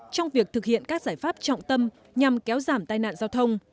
trong việc thực hiện các giải pháp trọng tâm nhằm kéo giảm tai nạn giao thông